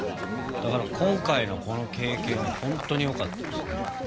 だから今回のこの経験は本当によかったですね。